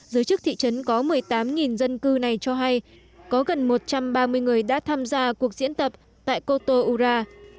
giới chức thị trấn có một mươi tám dân cư này cho hay có gần một trăm ba mươi người đã tham gia cuộc diễn tập tại kotura